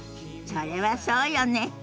それはそうよね。